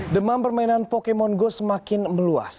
demam permainan pokemon go semakin meluas